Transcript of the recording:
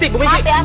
bu messi bu messi